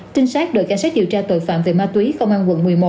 trinh sát đội cảnh sát điều tra tội phạm về ma túy công an quận một mươi một